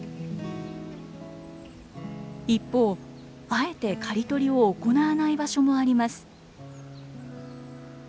一方あえて刈り取りを行わない場所もあります。